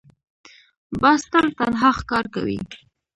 باز تل تنها ښکار کوي